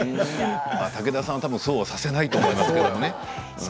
武田さんはそうはさせないと思っていますし。